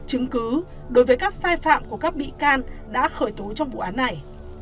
chứng cứ đối với các sai phạm của các bị can đã khởi tố trong vụ án này